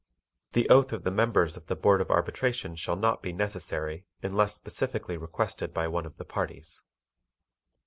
The oath of the members of the Board of Arbitration shall not be necessary unless specifically requested by one of the parties.